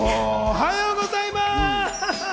おはようございます！